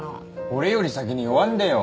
俺より先に酔わんでよ。